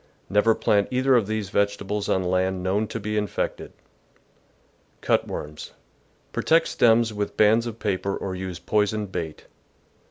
Never plant either of these vegetables on land known to be infected. Cut worms. — Protect stems with bands of paper or use poisoned bait.